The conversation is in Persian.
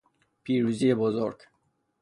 پیروزی بزرگ